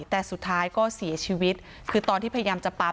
แต่สุดท้ายก็เสียชีวิตคือตอนที่พยายามจะปั๊ม